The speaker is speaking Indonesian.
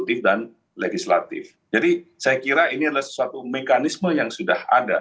jadi saya kira ini adalah sesuatu mekanisme yang sudah ada